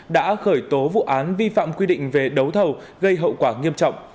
đã khởi tố vụ án vi phạm quy định về đấu thầu gây hậu quả nghiêm trọng